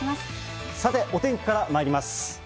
さて、お天気からまいります。